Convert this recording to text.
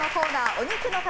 お肉の塊